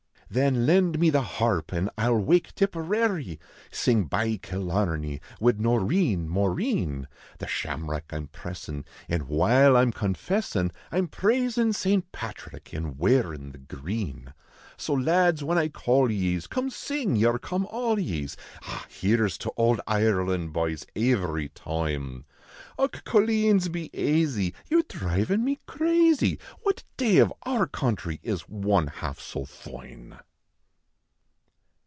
Then lend me the harp and I ll wake "Tipperary," Sing " By Kilarney " wid " Xoreen Maureen ;" The shamrock I m pressin , an while I m confessin I m praisin St. Patrick an " wearin the green." So lads whin I call ye s, come sing your " Come all ye s," Ah ! here s to ould Ireland, byes, ivery toime ; Dch, coleens, be aisy, your dhrivin me cra/.v. What dav of our couutrv is one half so foine?